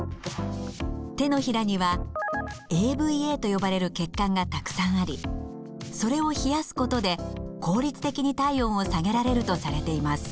手のひらにはＡＶＡと呼ばれる血管がたくさんありそれを冷やすことで効率的に体温を下げられるとされています。